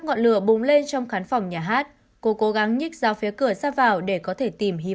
ngọn lửa bùng lên trong khán phòng nhà hát cô cố gắng nhích rao phía cửa sát vào để có thể tìm